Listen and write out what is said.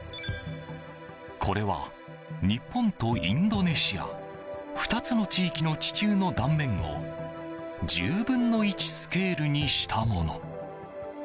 これは、日本とインドネシア２つの地域の地中の断面を１０分の１スケールにしたもの。